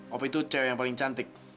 ope itu cewe yang paling cantik